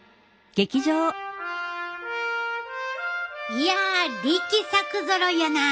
いや力作ぞろいやな。